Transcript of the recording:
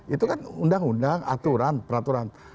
itu kan undang undang aturan peraturan